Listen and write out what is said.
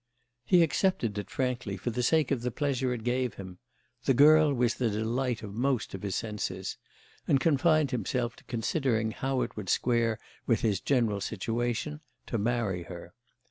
He accepted it frankly for the sake of the pleasure it gave him—the girl was the delight of most of his senses—and confined himself to considering how it would square with his general situation to marry her.